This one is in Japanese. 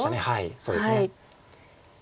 そうですね。